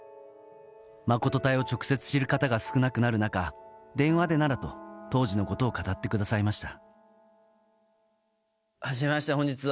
誠隊を直接知る方が少なくなる中電話でならと当時のことを語ってくださいました。